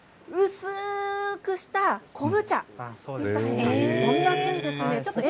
薄くした昆布茶飲みやすいですね